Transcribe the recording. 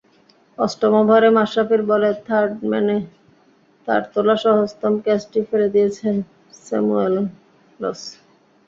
অষ্টম ওভারে মাশরাফির বলে থার্ডম্যানে তাঁর তোলা সহজতম ক্যাচটি ফেলে দিয়েছেন স্যামুয়েলস।